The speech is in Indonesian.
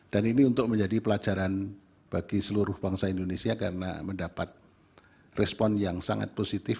dan ini untuk menjadi pelajaran bagi seluruh bangsa indonesia karena mendapat respon yang sangat positif